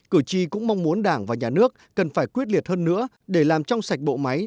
cử tri cũng mong muốn đảng và nhà nước cần phải quyết liệt hơn nữa để làm trong sạch bộ máy